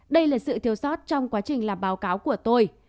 đây là sự thiếu sót trong quá trình làm báo cáo của tôi